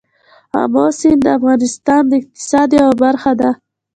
آمو سیند د افغانستان د اقتصاد یوه برخه ده.